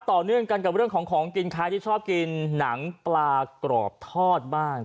ต่อเนื่องกันกับเรื่องของของกินใครที่ชอบกินหนังปลากรอบทอดบ้าง